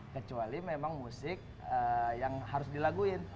kecuali memang musik yang harus dilaguin